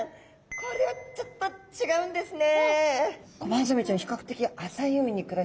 これはちょっと違うんですね。